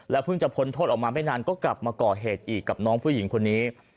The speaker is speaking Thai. เพิ่งจะพ้นโทษออกมาไม่นานก็กลับมาก่อเหตุอีกกับน้องผู้หญิงคนนี้